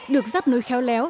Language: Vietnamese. được dắt nối khéo léo